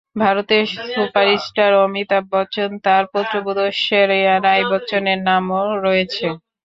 ভারতের সুপারস্টার অমিতাভ বচ্চন, তাঁর পুত্রবধূ ঐশ্বরিয়া রাই বচ্চনের নামও রয়েছে।